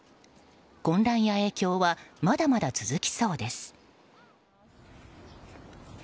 混乱や影響はまだまだ続きそうです。